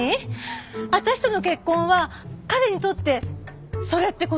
私との結婚は彼にとってそれって事？